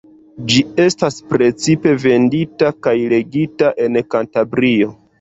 Ĝi estas precipe vendita kaj legita en Kantabrio.